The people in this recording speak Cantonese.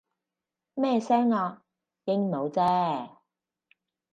咩聲啊？鸚鵡啫